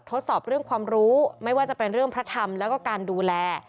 ทดสอบเรื่องความรู้ไม่ว่าจะเป็นเรื่องพระธรรมแล้วก็การดูแล